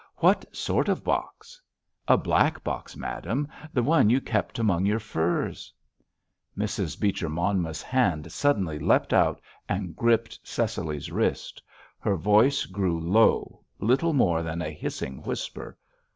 "What sort of box?" "A black box, madame, the one you kept among your furs." Mrs. Beecher Monmouth's hand suddenly leapt out and gripped Cecily's wrist. Her voice grew low, little more than a hissing whisper.